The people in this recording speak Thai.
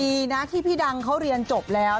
ดีนะที่พี่ดังเขาเรียนจบแล้ว